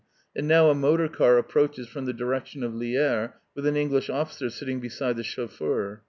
And now a motor car approaches from the direction of Lierre, with an English officer sitting beside the chauffeur.